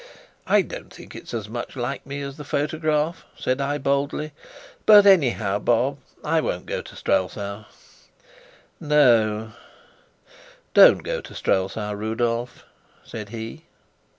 "I don't think it's so much like me as the photograph," said I boldly. "But, anyhow, Bob, I won't go to Strelsau." "No, don't go to Strelsau, Rudolf," said he.